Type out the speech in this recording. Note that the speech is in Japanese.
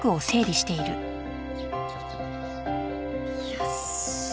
よし。